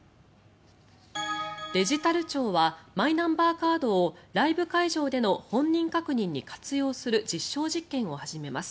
デジタル庁はマイナンバーカードをライブ会場での本人確認に活用する実証実験を始めます。